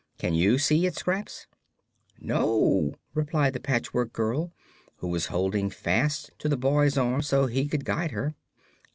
"Can you see it, Scraps?" "No," replied the Patchwork Girl, who was holding fast to the boy's arm so he could guide her.